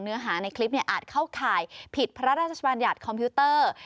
เนื้อหาในคลิปอาจเข้าข่ายผิดพระราชบัญญัติคอมพิวเตอร์